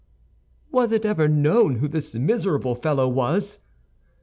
"Was it ever known who this miserable fellow was?"